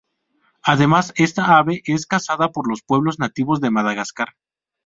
Además esta ave es cazada por los pueblos nativos de Madagascar.